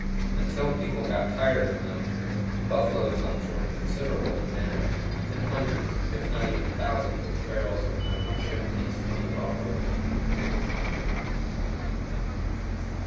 Until people got tired of them, buffalo tongues were in considerable demand, and hundreds, if not even thousands, of barrels of them were shipped east from the buffalo country.